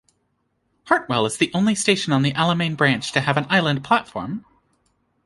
Hartwell is the only station on the Alamein branch to have an island platform.